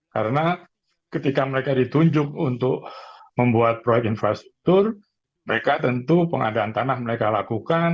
karena ketika mereka ditunjuk untuk membuat proyek infrastruktur mereka tentu pengadaan tanah mereka lakukan